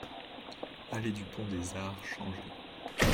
Allée du Pont des Arts, Changé